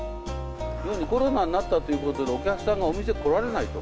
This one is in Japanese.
コロナになったということで、お客さんがお店来られないと。